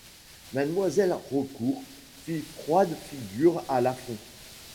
Mademoiselle Raucourt fit froide figure à Lafont.